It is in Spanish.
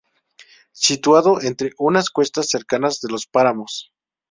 Situado entre unas cuestas, cerca de los páramos.